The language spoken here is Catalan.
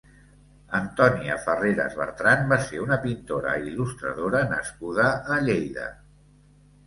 Antònia Ferreras Bertran va ser una pintora i il·lustradora nascuda a Lleida.